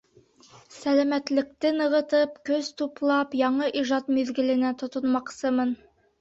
Сәләмәтлекте нығытып, көс туплап, яңы ижад миҙгеленә тотонмаҡсымын.